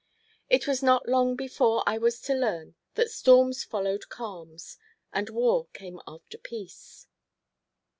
It was not long before I was to learn that storms followed calms, and war came after peace.